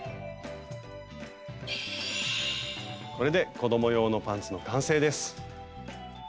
これで子ども用のパンツの完成です！